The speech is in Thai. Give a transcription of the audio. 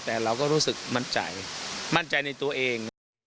แต่เราก็รู้สึกมั่นใจมั่นใจในตัวเอง